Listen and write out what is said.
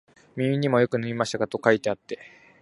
耳にもよく塗りましたか、と書いてあって、